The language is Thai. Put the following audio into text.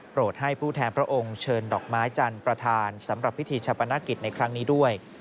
ให้ผู้แทนพระองค์เชิญดอกไม้จันทร์ประธานสำหรับพิธีชาปนกิจในครั้งนี้ด้วย